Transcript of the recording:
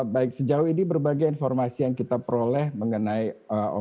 baik sejauh ini berbagai informasi yang kita peroleh mengenai omikro